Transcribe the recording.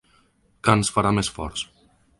Que ens farà més forts.